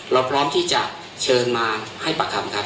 เราพร้อมที่จะเชิญมาให้ปากคำครับ